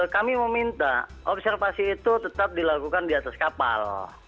kami meminta observasi itu tetap dilakukan di atas kapal